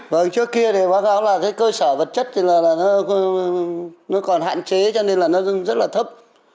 vâng trước kia thì báo cáo là cái cơ sở vật chất thì là nó còn hạn chế cho nên là nó rất là thấp